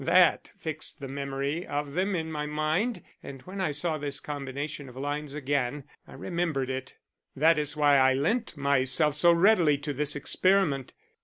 That fixed the memory of them in my mind, and when I saw this combination of lines again, I remembered it. That is why I lent myself so readily to this experiment.